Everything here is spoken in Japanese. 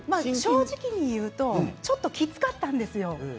正直に言うとちょっときつかったです。